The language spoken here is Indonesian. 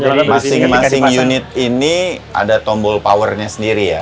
jadi masing masing unit ini ada tombol powernya sendiri ya